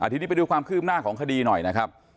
ทีนี้ไปดูความคืบหน้าของคดีหน่อยนะครับ